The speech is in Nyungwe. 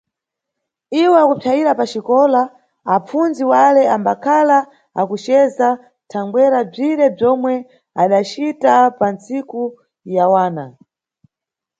Iwo akupsayira paxikola, apfundzi wale ambakhala akuceza thangwera bzire bzomwe adacita pantsiku ya wana.